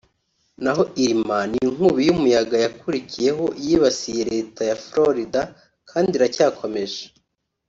naho Irma ni inkubi y’umuyaga yakurikiyeho yibasiye Leta ya Florida kandi iracyakomeje